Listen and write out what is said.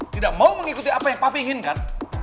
tidak mau mengikuti apa yang papa inginkan